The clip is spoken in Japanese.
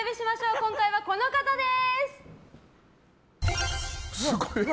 今回はこの方です。